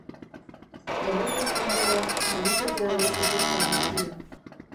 Horretaz kanpora, banitatea baizik ez da guztia.